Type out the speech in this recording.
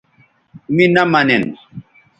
می نہ منین